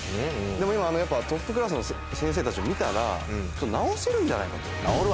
でも今やっぱトップクラスの先生たちを見たら治せるんじゃないかと。